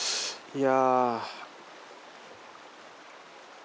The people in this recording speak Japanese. いや。